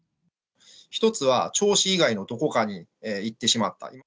１つは、銚子以外のどこかに行ってしまった。